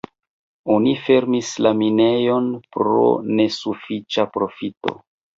Oni fermis la minejon pro nesufiĉa profito.